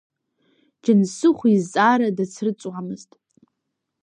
Џьансыхә изҵаара дацрыҵуамызт.